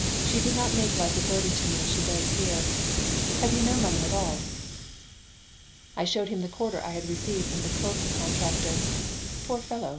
She did not make life a burden to me as she does here. Have you no money at all?" I showed him the quarter I had received from the cloak contractor "Poor fellow!